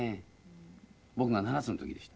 僕が７つの時でした。